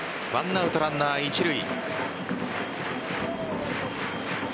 １アウトランナー一塁。